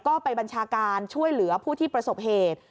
ก็ไปบัญชาการช่วยเหลือผู้ที่ประสบเหตุ